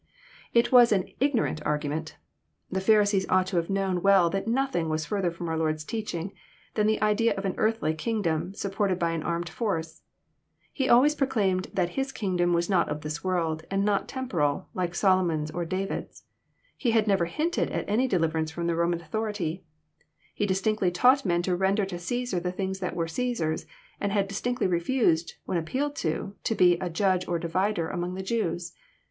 It was an ignorant argument. The Pharisees ought to have known well that nothing was fhrther Arom our Lord's teaching than the idea of an earthly kingdom, supported by an armed force. He always proclaimed that His kingdom was not of this world, and not temporal, like Solomon's or David's. He had never hinted at any deliverance Arom Roman authority. He distinctly taught men to render to Ceesar the things that were CflBsar's, and had distinctly revised, when appealed to, to be '' a Judge or divider " among the Jews.